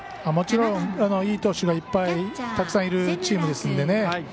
もちろん、いい投手がたくさんいるチームですので。